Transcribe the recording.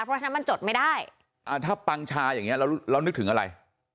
เพราะฉะนั้นมันจดไม่ได้ถ้าปังชาอย่างนี้เรานึกถึงอะไร